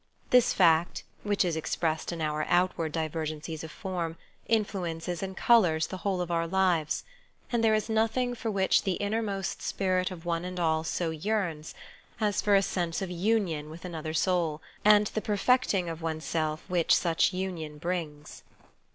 This fact, which is expressed in our outward divergencies of form, influences and colours the whole of our lives; and there is nothing for which the inner most spirit of one and all so yearns as for a sense of union with another soul, and the perfecting of oneself which such union brings.